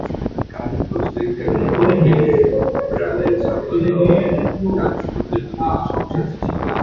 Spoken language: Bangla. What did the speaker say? কারণ কোস্টারিকার বিপক্ষে ক্রালের সাফল্য ডাচ কোচের জন্য একটু সমস্যাও সৃষ্টি করেছিল।